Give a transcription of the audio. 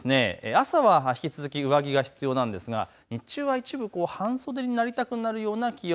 朝は引き続き上着が必要なんですが日中は一部半袖になりたくなるような気温。